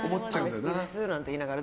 あれ好きですなんて言いながら。